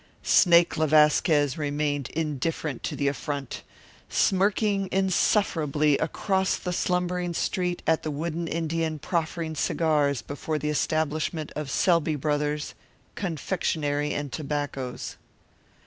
Snake le Vasquez remained indifferent to the affront, smirking insufferably across the slumbering street at the wooden Indian proffering cigars before the establishment of Selby Brothers, Confectionery and Tobaccos.